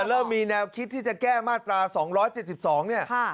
เริ่มมีแนวคิดที่จะแก้มาตรา๒๗๒เนี่ย